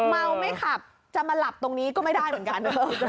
เมาไม่ขับจะมาหลับตรงนี้ก็ไม่ได้เหมือนกัน